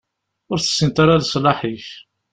Ur tessineḍ ara leṣlaḥ-ik.